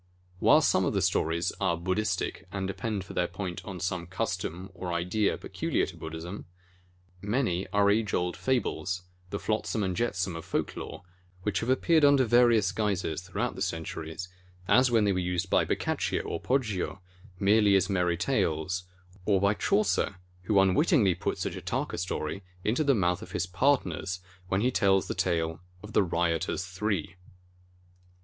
xi ORIGIN OF THE JATAKAS While some of the stories are Buddhistic and de pend for their point on some custom or idea peculiar to Buddhism, many are age old fables, the flotsam and jetsam of folk lore, which have appeared under various guises throughout the centuries, as when they were used by Boccaccio or Poggio, merely as merry tales, or by Chaucer, who unwittingly puts a Jataka story into the mouth of his pardoners when he tells the tale of "the Ryotoures three."